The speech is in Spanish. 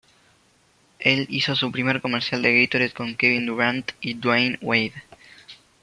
Él hizo su primer comercial de Gatorade con Kevin Durant y Dwyane Wade.